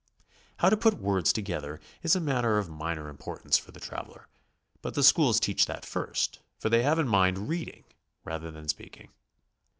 How to put words together is a matter of minor im portance for the traveler, but the schools teach that first, for they have in mind reading rather than speaking.